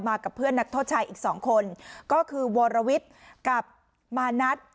กับเพื่อนนักโทษชายอีกสองคนก็คือวรวิทย์กับมานัท